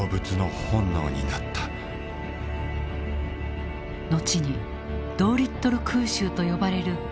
後にドーリットル空襲と呼ばれる奇襲作戦。